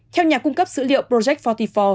theo nhà cung cấp dữ liệu project bốn mươi bốn